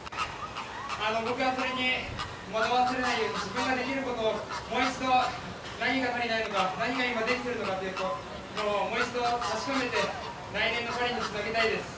僕は、それに惑わされないように自分ができることをもう一度、何が足りないのか何が今、できてるのかをもう一度確かめて来年のパリにつなげたいです。